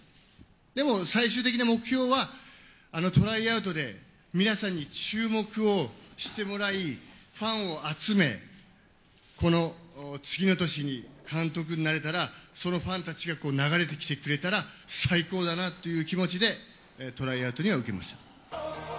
でも、最終的な目標は、あのトライアウトで皆さんに注目をしてもらい、ファンを集め、この次の年に監督になれたら、そのファンたちが流れてきてくれたら最高だなという気持ちでトライアウトには受けました。